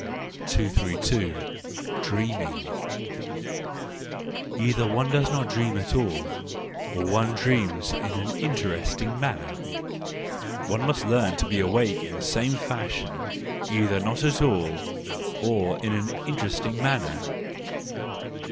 232. Dreaming. —Either one does not dream at all, or one dreams in an interesting manner. One must learn to be awake in the same fashion:_ either not at all, or in an interesting manner.